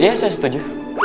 iya saya setuju